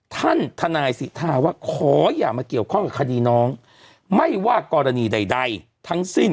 ทนายสิทธาว่าขออย่ามาเกี่ยวข้องกับคดีน้องไม่ว่ากรณีใดทั้งสิ้น